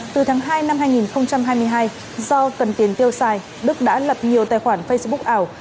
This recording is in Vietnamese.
từ tháng hai năm hai nghìn hai mươi hai do cần tiền tiêu xài đức đã lập nhiều tài khoản facebook ảo